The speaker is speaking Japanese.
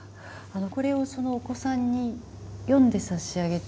これをお子さんに読んでさしあげていてどう。